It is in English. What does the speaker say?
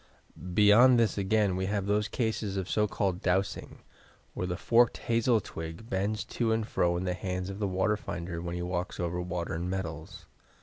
Beyond this again we have those cases of so called "dowsing," where the forked ha/.el twig bends to and fro in the hands of the water finder when he walks over water and metals.